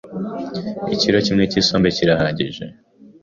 Ikiro kimwe cy’isombe kirahagije